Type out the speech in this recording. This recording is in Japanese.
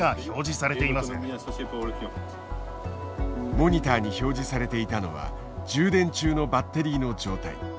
モニターに表示されていたのは充電中のバッテリーの状態。